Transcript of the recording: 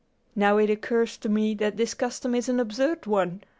Now it occurs to me that this custom is an absurd one.